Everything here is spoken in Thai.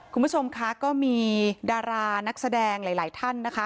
คุณผู้ชมคะก็มีดารานักแสดงหลายท่านนะคะ